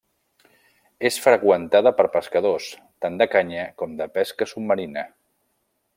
És freqüentada per pescadors, tant de canya com de pesca submarina.